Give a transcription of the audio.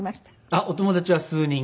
あっお友達は数人。